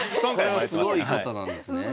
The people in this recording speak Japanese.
これはすごい方なんですね。